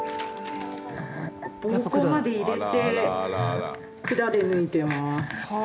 膀胱まで入れて管で抜いてます。